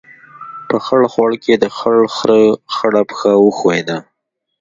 په خړ خوړ کې، د خړ خرهٔ خړه پښه وښیوده.